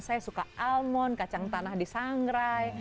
saya suka almon kacang tanah di sangrai